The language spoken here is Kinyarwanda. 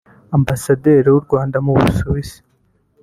Ambasaderi w’u Rwanda mu Busuwisi